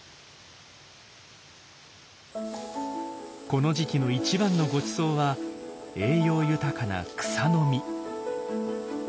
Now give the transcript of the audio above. この時期の一番のごちそうは栄養豊かな草の実。